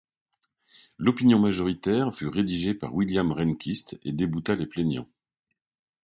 L'opinion majoritaire fut rédigée par William Rehnquist et débouta les plaignants.